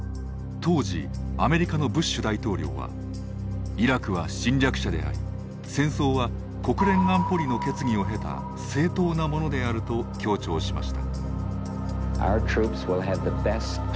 当時アメリカのブッシュ大統領はイラクは侵略者であり戦争は国連安保理の決議を経た正当なものであると強調しました。